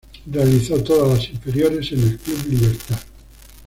Realizó todas las inferiores en el Club Libertad.